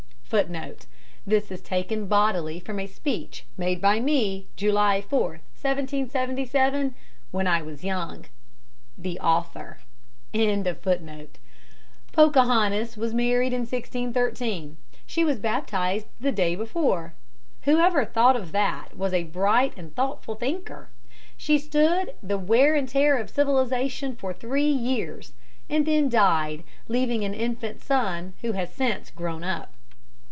(This is taken bodily from a speech made by me July 4, 1777, when I was young. THE AUTHOR.) Pocahontas was married in 1613. She was baptized the day before. Whoever thought of that was a bright and thoughtful thinker. She stood the wear and tear of civilization for three years, and then died, leaving an infant son, who has since grown up.